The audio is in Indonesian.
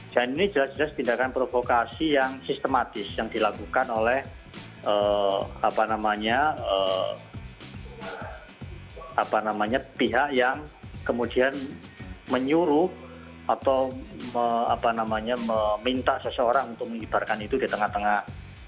dan ini jelas jelas pindahkan provokasi yang sistematis yang dilakukan oleh pihak yang kemudian menyuruh atau meminta seseorang untuk mengibarkan itu di tengah tengah